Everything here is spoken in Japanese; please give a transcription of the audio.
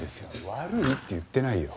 悪いって言ってないよ。